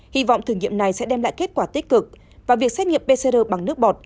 hy vọng thử nghiệm này sẽ đem lại kết quả tích cực và việc xét nghiệm pcr bằng nước bọt